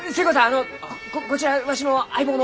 あのここちらわしの相棒の！